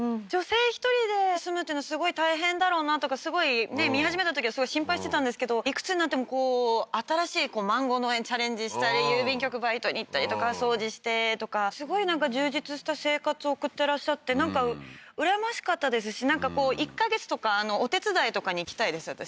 女性１人で住むっていうのはすごい大変だろうなとかすごい見始めたときはすごい心配してたんですけどいくつになってもこう新しいマンゴー農園チャレンジしたり郵便局バイトに行ったりとか掃除してとかすごいなんか充実した生活を送ってらっしゃってなんか羨ましかったですし１か月とかお手伝いとかに行きたいです